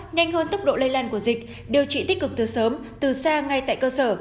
nhanh hơn tốc độ lây lan của dịch điều trị tích cực từ sớm từ xa ngay tại cơ sở